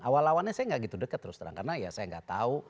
awal awalnya saya nggak gitu deket terus terang karena ya saya nggak tahu